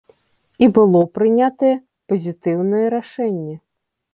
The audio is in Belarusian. І было прынятае пазітыўнае рашэнне.